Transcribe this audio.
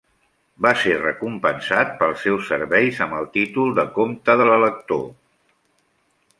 Va ser recompensat pels seus serveis amb el títol de Comte de l'Elector.